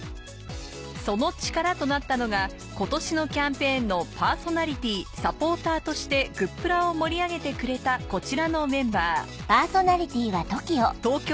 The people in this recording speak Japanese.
その力となったのが今年のキャンペーンのパーソナリティーサポーターとして「＃グップラ」を盛り上げてくれたこちらのメンバー